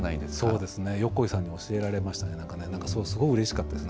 そうですね、横井さんに教えられましたね、なんかね、すごくうれしかったです。